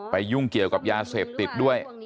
ยุ่งเกี่ยวกับยาเสพติดด้วย